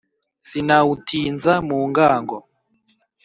sinawutinza mu ngango